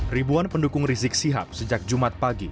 ribuan pendukung rizik sihab sejak jumat pagi